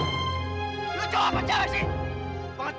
lu cowok apaan jangan sih